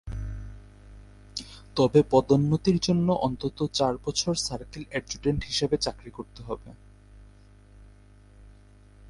তবে পদোন্নতির জন্য অন্তত চার বছর সার্কেল অ্যাডজুটেন্ট হিসেবে চাকরি করতে হবে।